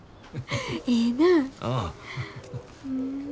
ええなぁ。